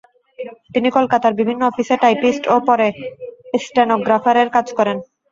তিনি কলকাতার বিভিন্ন অফিসে টাইপিস্ট ও পরে স্টেনোগ্রাফারের কাজ করেন।